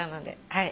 はい。